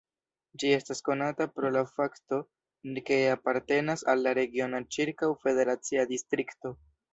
Ĝi estas konata pro la fakto, ke apartenas al la regiono ĉirkaŭ Federacia Distrikto.